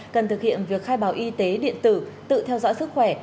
cần thực hiện việc khai báo y tế điện tử tự theo dõi sức khỏe